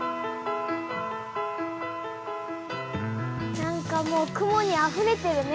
なんかもう雲にあふれてるね。